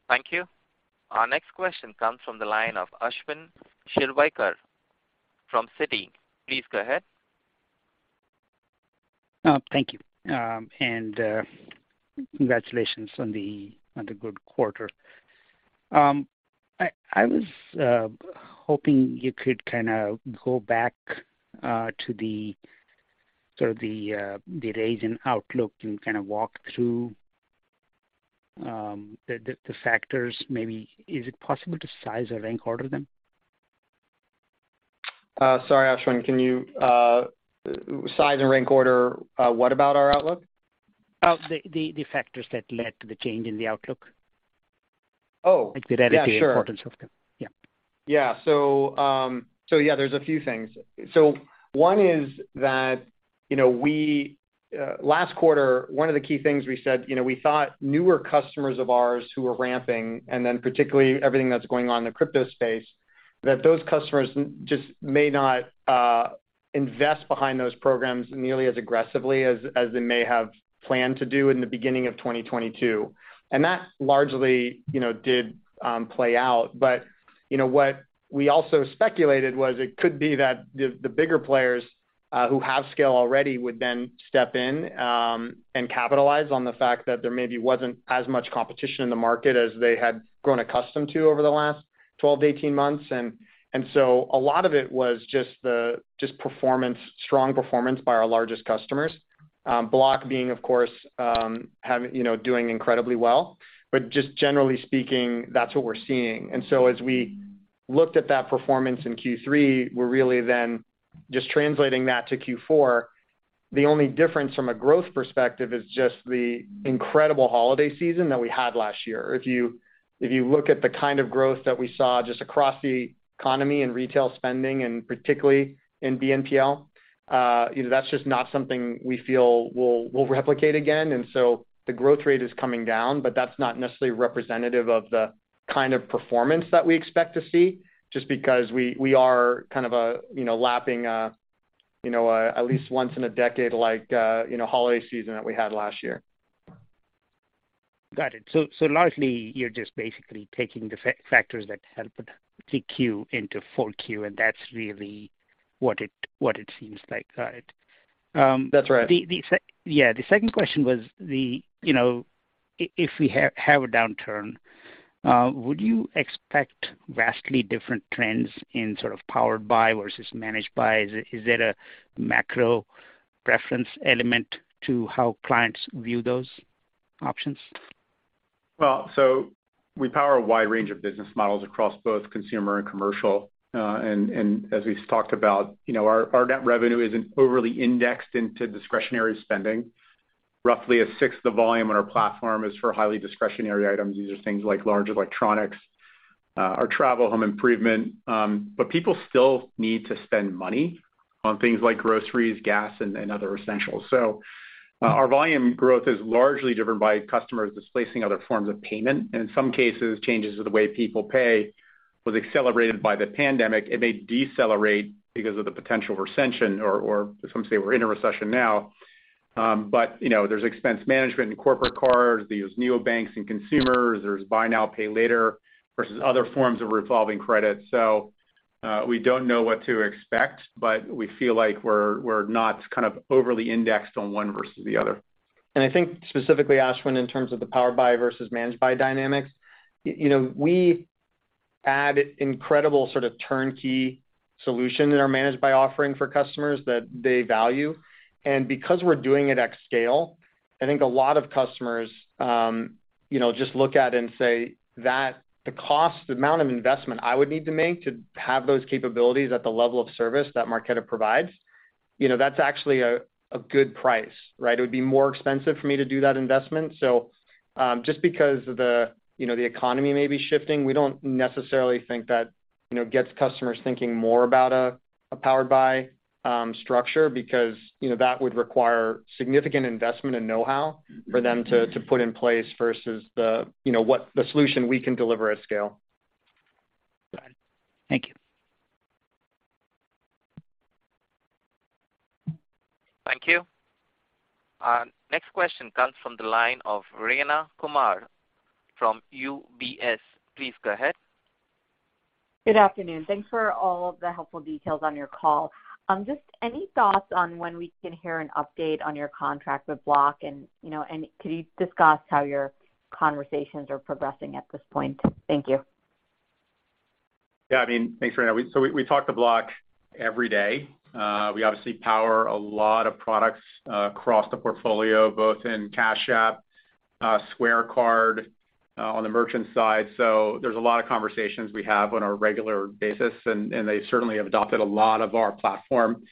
Thank you. Our next question comes from the line of Ashwin Shirvaikar from Citi. Please go ahead. Thank you. Congratulations on the good quarter. I was hoping you could kinda go back to the sort of raise in outlook and kind of walk through the factors maybe. Is it possible to size or rank order them? Sorry, Ashwin. Can you size and rank order what about our outlook? The factors that led to the change in the outlook. Oh. Like the relative- Yeah, sure. Importance of them. Yeah. Yeah. There's a few things. One is that, you know, we last quarter, one of the key things we said, you know, we thought newer customers of ours who were ramping, and then particularly everything that's going on in the crypto space, that those customers just may not invest behind those programs nearly as aggressively as they may have planned to do in the beginning of 2022. That largely, you know, did play out. You know, what we also speculated was it could be that the bigger players who have scale already would then step in and capitalize on the fact that there maybe wasn't as much competition in the market as they had grown accustomed to over the last 12-18 months. A lot of it was just performance, strong performance by our largest customers. Block being, of course, having, you know, doing incredibly well. Just generally speaking, that's what we're seeing. As we looked at that performance in Q3, we're really then just translating that to Q4. The only difference from a growth perspective is just the incredible holiday season that we had last year. If you look at the kind of growth that we saw just across the economy and retail spending, and particularly in BNPL, you know, that's just not something we feel we'll replicate again. The growth rate is coming down, but that's not necessarily representative of the kind of performance that we expect to see, just because we are kind of, you know, lapping, you know, at least once in a decade, like, you know, holiday season that we had last year. Got it. Largely you're just basically taking the factors that helped the Q into full Q, and that's really what it seems like. Got it. That's right. The second question was, you know, if we have a downturn, would you expect vastly different trends in sort of powered by versus managed by? Is that a macro preference element to how clients view those options? We power a wide range of business models across both consumer and commercial. As we've talked about, you know, our net revenue isn't overly indexed into discretionary spending. Roughly a sixth of volume on our platform is for highly discretionary items. These are things like large electronics, or travel, home improvement, but people still need to spend money on things like groceries, gas, and other essentials. Our volume growth is largely driven by customers displacing other forms of payment, and in some cases, changes to the way people pay was accelerated by the pandemic. It may decelerate because of the potential recession or some say we're in a recession now. But you know, there's expense management and corporate cards. There's neobanks and consumers. There's buy now, pay later, versus other forms of revolving credit. We don't know what to expect, but we feel like we're not kind of overly indexed on one versus the other. I think specifically, Ashwin, in terms of the Powered by versus Managed by dynamics, you know, we add incredible sort of turnkey solution in our Managed by offering for customers that they value. Because we're doing it at scale, I think a lot of customers, you know, just look at it and say that the cost, the amount of investment I would need to make to have those capabilities at the level of service that Marqeta provides, you know, that's actually a good price, right? It would be more expensive for me to do that investment. Just because the, you know, the economy may be shifting, we don't necessarily think that, you know, gets customers thinking more about a powered by structure because, you know, that would require significant investment and know-how for them to put in place versus the, you know, what the solution we can deliver at scale. Got it. Thank you. Thank you. Our next question comes from the line of Rayna Kumar from UBS. Please go ahead. Good afternoon. Thanks for all of the helpful details on your call. Just any thoughts on when we can hear an update on your contract with Block and, you know, could you discuss how your conversations are progressing at this point? Thank you. Yeah, I mean, thanks, Rayna. We talk to Block every day. We obviously power a lot of products across the portfolio, both in Cash App, Square Card, on the merchant side. There's a lot of conversations we have on a regular basis, and they certainly have adopted a lot of our platform,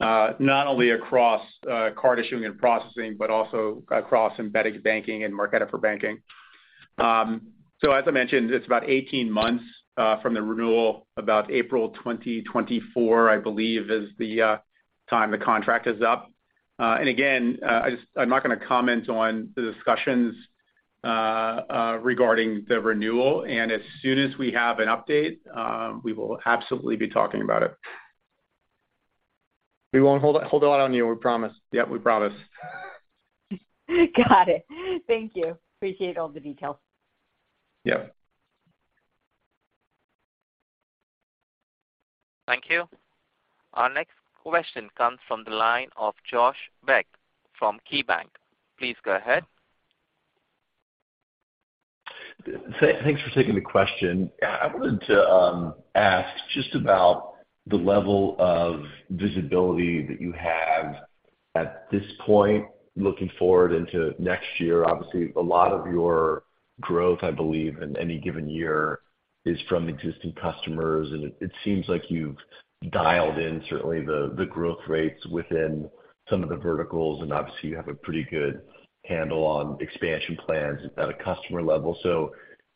not only across card issuing and processing but also across embedded banking and Marqeta for Banking. As I mentioned, it's about 18 months from the renewal. About April 2024, I believe, is the time the contract is up. Again, I'm not gonna comment on the discussions regarding the renewal. As soon as we have an update, we will absolutely be talking about it. We won't hold out on you, we promise. Yeah, we promise. Got it. Thank you. Appreciate all the details. Yeah. Thank you. Our next question comes from the line of Josh Beck from KeyBanc. Please go ahead. Thanks for taking the question. I wanted to ask just about the level of visibility that you have at this point looking forward into next year. Obviously, a lot of your growth, I believe, in any given year is from existing customers. It seems like you've dialed in certainly the growth rates within some of the verticals, and obviously you have a pretty good handle on expansion plans at a customer level.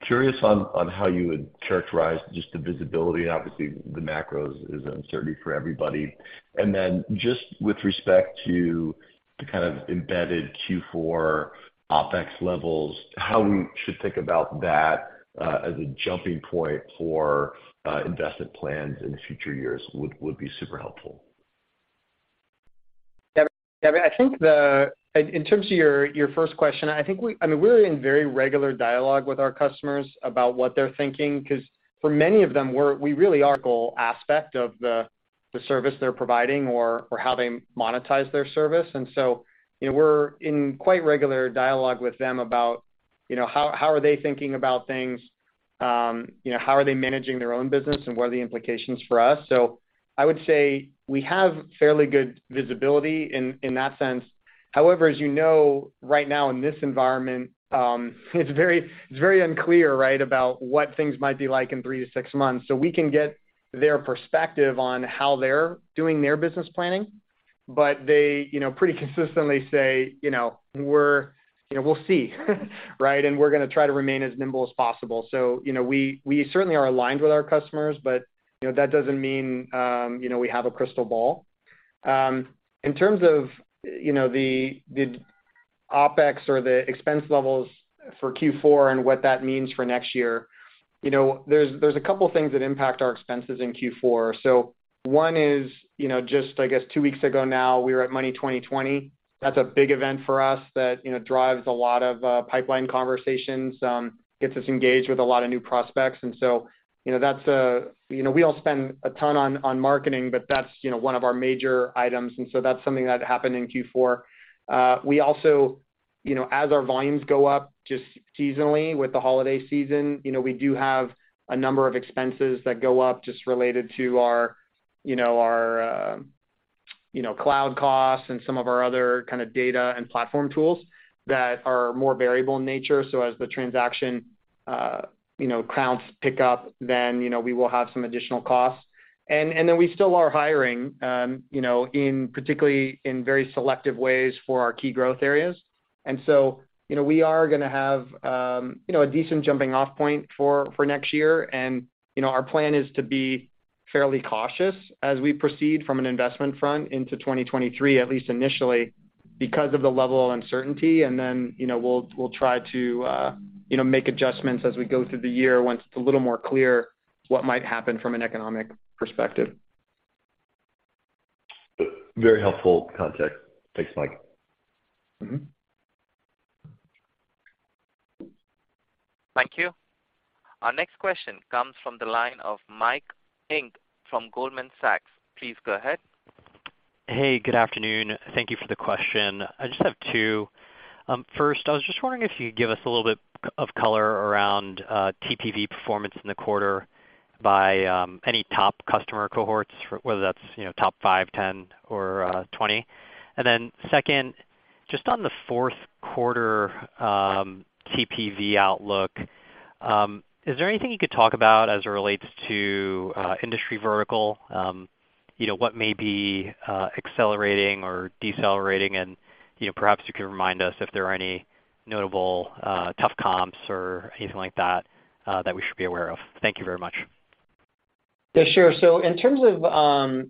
Curious on how you would characterize just the visibility. Obviously, the macros is an uncertainty for everybody. Then just with respect to the kind of embedded Q4 Opex levels, how we should think about that as a jumping point for investment plans in future years would be super helpful. In terms of your first question, I mean, we're in very regular dialogue with our customers about what they're thinking 'cause for many of them, we're we really are an aspect of the service they're providing or how they monetize their service. You know, we're in quite regular dialogue with them about, you know, how are they thinking about things, you know, how are they managing their own business, and what are the implications for us? I would say we have fairly good visibility in that sense. However, as you know, right now in this environment, it's very unclear, right, about what things might be like in three to six months. We can get their perspective on how they're doing their business planning, but they, you know, pretty consistently say, you know, "We're, you know, we'll see," right? "And we're gonna try to remain as nimble as possible." You know, we certainly are aligned with our customers, but, you know, that doesn't mean, you know, we have a crystal ball. In terms of, you know, the Opex or the expense levels for Q4 and what that means for next year, you know, there's a couple things that impact our expenses in Q4. One is, you know, just I guess two weeks ago now, we were at Money20/20. That's a big event for us that, you know, drives a lot of pipeline conversations, gets us engaged with a lot of new prospects. You know, that's a You know, we all spend a ton on marketing, but that's, you know, one of our major items, and so that's something that happened in Q4. We also. You know, as our volumes go up just seasonally with the holiday season, you know, we do have a number of expenses that go up just related to our, you know, cloud costs and some of our other kind of data and platform tools that are more variable in nature. As the transaction counts pick up, then, you know, we will have some additional costs. Then we still are hiring, you know, particularly in very selective ways for our key growth areas. You know, we are gonna have, you know, a decent jumping off point for next year. You know, our plan is to be fairly cautious as we proceed from an investment front into 2023, at least initially, because of the level of uncertainty. You know, we'll try to, you know, make adjustments as we go through the year once it's a little more clear what might happen from an economic perspective. Very helpful context. Thanks, Mike. Thank you. Our next question comes from the line of Mike Ng from Goldman Sachs. Please go ahead. Hey, good afternoon. Thank you for the question. I just have two. First, I was just wondering if you could give us a little bit of color around TPV performance in the quarter by any top customer cohorts, whether that's, you know, top 5, 10, or 20. And then second, just on the fourth quarter TPV outlook, is there anything you could talk about as it relates to industry vertical? You know, what may be accelerating or decelerating? And, you know, perhaps you could remind us if there are any notable tough comps or anything like that that we should be aware of. Thank you very much. Yeah, sure. In terms of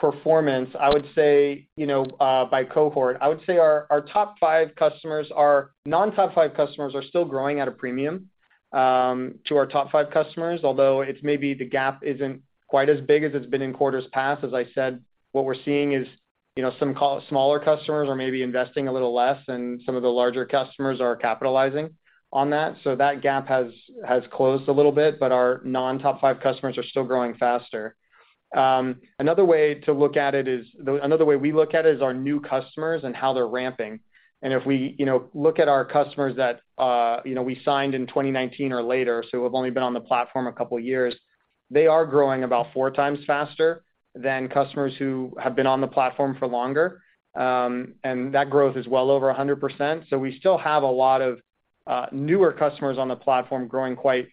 performance, I would say, you know, by cohort, I would say our top five customers—non-top five customers are still growing at a premium to our top five customers, although it's maybe the gap isn't quite as big as it's been in quarters past. As I said, what we're seeing is, you know, some smaller customers are maybe investing a little less, and some of the larger customers are capitalizing on that. That gap has closed a little bit, but our non-top five customers are still growing faster. Another way to look at it is our new customers and how they're ramping. If we, you know, look at our customers that, you know, we signed in 2019 or later, so who have only been on the platform a couple years, they are growing about four times faster than customers who have been on the platform for longer. That growth is well over 100%. We still have a lot of newer customers on the platform growing quite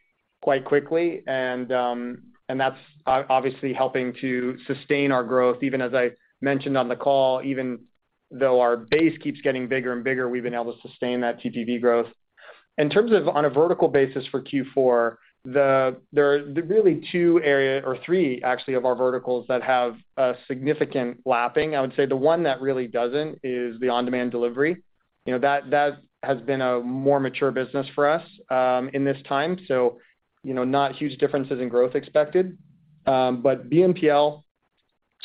quickly. That's obviously helping to sustain our growth. Even as I mentioned on the call, even though our base keeps getting bigger and bigger, we've been able to sustain that TPV growth. In terms of on a vertical basis for Q4, there are really two areas or three actually of our verticals that have a significant lapping. I would say the one that really doesn't is the on-demand delivery. You know, that has been a more mature business for us in this time. You know, not huge differences in growth expected. But BNPL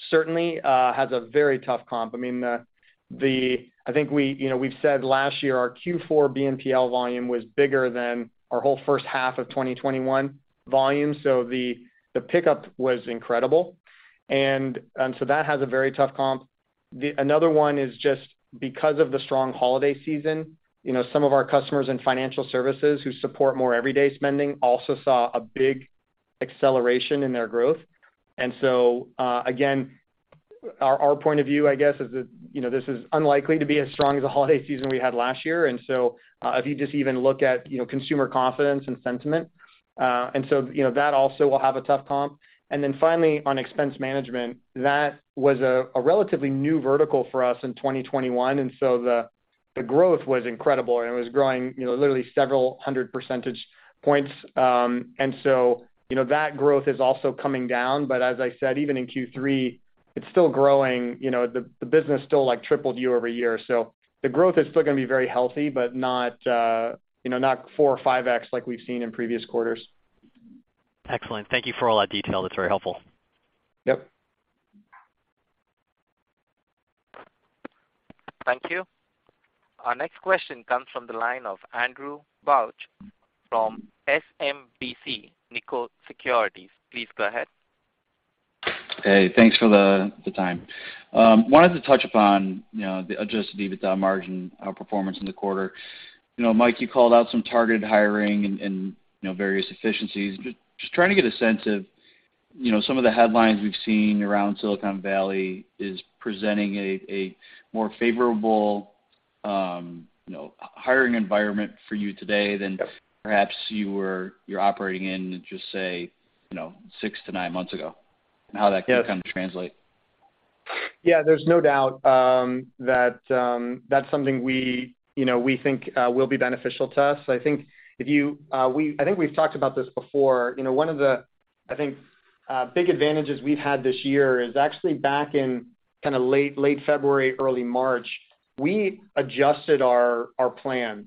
certainly has a very tough comp. I mean, I think we, you know, we've said last year our Q4 BNPL volume was bigger than our whole first half of 2021 volume. The pickup was incredible. That has a very tough comp. Another one is just because of the strong holiday season, you know, some of our customers in financial services who support more everyday spending also saw a big acceleration in their growth. Again, our point of view, I guess, is that, you know, this is unlikely to be as strong as the holiday season we had last year. If you just even look at, you know, consumer confidence and sentiment, and so, you know, that also will have a tough comp. Finally, on expense management, that was a relatively new vertical for us in 2021, and so the growth was incredible, and it was growing, you know, literally several hundred percentage points. You know, that growth is also coming down. As I said, even in Q3, it's still growing. You know, the business still like tripled year-over-year. The growth is still gonna be very healthy, but not, you know, not four or 5x like we've seen in previous quarters. Excellent. Thank you for all that detail. That's very helpful. Yep. Thank you. Our next question comes from the line of Andrew Bauch from SMBC Nikko Securities. Please go ahead. Hey, thanks for the time. Wanted to touch upon, you know, just the EBITDA margin performance in the quarter. You know, Mike, you called out some targeted hiring and, you know, various efficiencies. Trying to get a sense of, you know, some of the headlines we've seen around Silicon Valley is presenting a more favorable, you know, hiring environment for you today than- Yep Perhaps you're operating in, just say, you know, 6-9 months ago and how that can kind of translate. Yeah, there's no doubt that that's something we, you know, we think will be beneficial to us. I think if you I think we've talked about this before. You know, one of the, I think, big advantages we've had this year is actually back in kinda late February, early March, we adjusted our plan.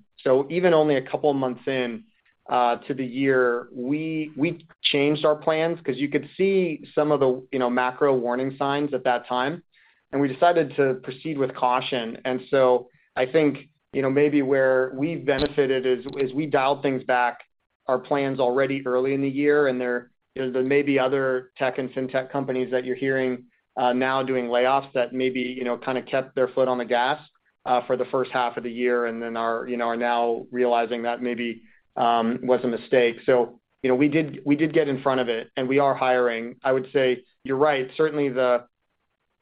Even only a couple months in to the year, we changed our plans 'cause you could see some of the, you know, macro warning signs at that time, and we decided to proceed with caution. I think, you know, maybe where we've benefited is we dialed things back our plans already early in the year, and there, you know, there may be other tech and fintech companies that you're hearing now doing layoffs that maybe, you know, kinda kept their foot on the gas for the first half of the year and then are, you know, are now realizing that maybe was a mistake. You know, we did get in front of it, and we are hiring. I would say you're right. Certainly the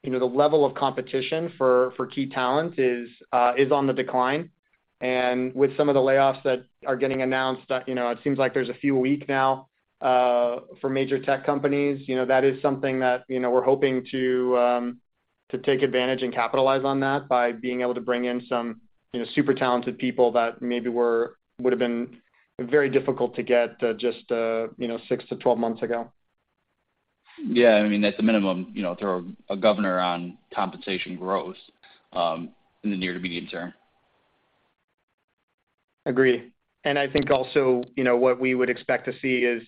You know, the level of competition for key talent is on the decline. With some of the layoffs that are getting announced, you know, it seems like there's a few a week now for major tech companies. You know, that is something that, you know, we're hoping to take advantage and capitalize on that by being able to bring in some, you know, super talented people that maybe would've been very difficult to get just, you know, six to 12 months ago. Yeah. I mean, at the minimum, you know, throw a governor on compensation growth in the near to medium term. Agree. I think also, you know, what we would expect to see is,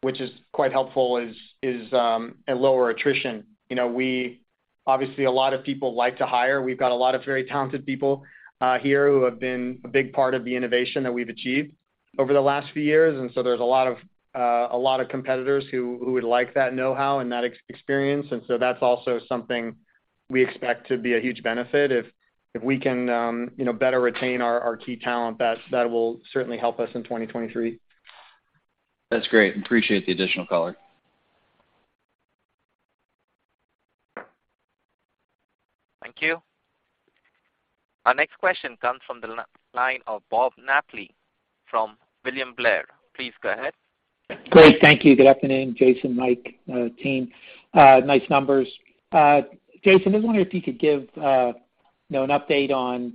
which is quite helpful, a lower attrition. You know, obviously, a lot of people like to hire. We've got a lot of very talented people here who have been a big part of the innovation that we've achieved over the last few years. There's a lot of competitors who would like that know-how and that experience. That's also something we expect to be a huge benefit. If we can, you know, better retain our key talent, that will certainly help us in 2023. That's great. Appreciate the additional color. Thank you. Our next question comes from the line of Bob Napoli from William Blair. Please go ahead. Great. Thank you. Good afternoon, Jason, Mike, team. Nice numbers. Jason, I was wondering if you could give, you know, an update on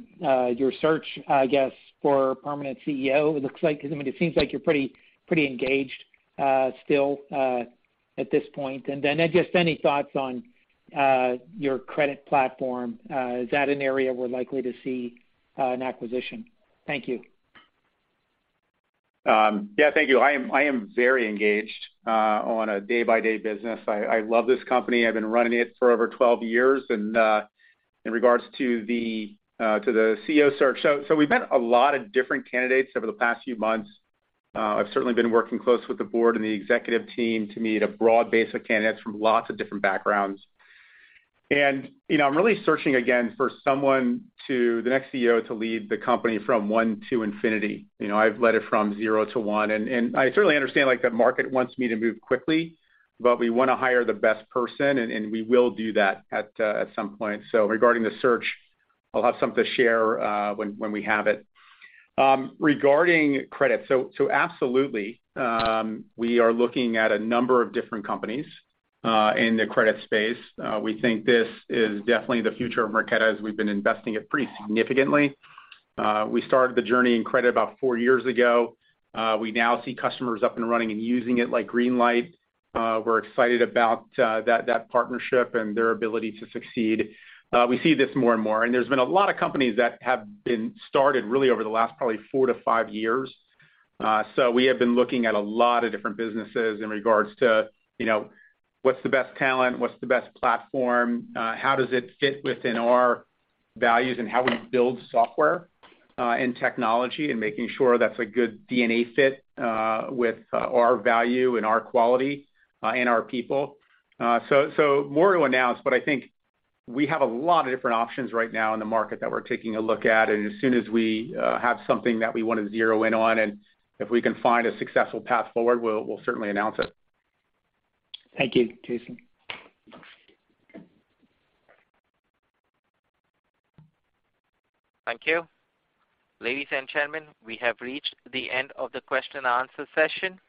your search, I guess, for permanent CEO. I mean, it seems like you're pretty engaged still at this point. Then just any thoughts on your credit platform. Is that an area we're likely to see an acquisition? Thank you. Yeah. Thank you. I am very engaged on a day-by-day business. I love this company. I've been running it for over 12 years. In regards to the CEO search, we've met a lot of different candidates over the past few months. I've certainly been working close with the board and the executive team to meet a broad base of candidates from lots of different backgrounds. You know, I'm really searching again for the next CEO to lead the company from one to infinity. You know, I've led it from zero to one. I certainly understand, like, the market wants me to move quickly, but we wanna hire the best person, and we will do that at some point. Regarding the search, I'll have something to share when we have it. Regarding credit, absolutely, we are looking at a number of different companies in the credit space. We think this is definitely the future of Marqeta, as we've been investing in it pretty significantly. We started the journey in credit about four years ago. We now see customers up and running and using it like Greenlight. We're excited about that partnership and their ability to succeed. We see this more and more, and there's been a lot of companies that have been started really over the last probably four to five years. We have been looking at a lot of different businesses in regards to, you know, what's the best talent, what's the best platform, how does it fit within our values and how we build software, and technology, and making sure that's a good DNA fit, with our value and our quality, and our people. More to announce, but I think we have a lot of different options right now in the market that we're taking a look at. As soon as we have something that we wanna zero in on, and if we can find a successful path forward, we'll certainly announce it. Thank you, Jason. Thank you. Ladies and gentlemen, we have reached the end of the question and answer session.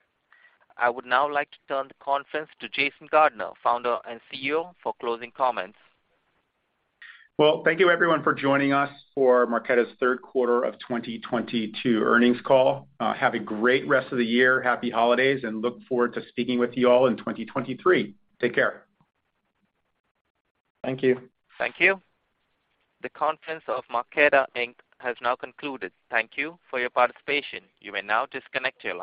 I would now like to turn the conference to Jason Gardner, Founder and CEO, for closing comments. Well, thank you everyone for joining us for Marqeta's Third Quarter of 2022 Earnings Call. Have a great rest of the year, happy holidays, and look forward to speaking with you all in 2023. Take care. Thank you. Thank you. The conference of Marqeta, Inc. has now concluded. Thank you for your participation. You may now disconnect your line.